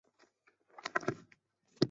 片仓町车站的铁路车站。